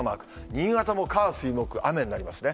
新潟も、火、水、木、雨になりますね。